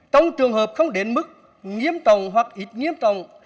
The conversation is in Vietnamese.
trong trường hợp không đến mức nghiêm trọng hoặc ít nghiêm trọng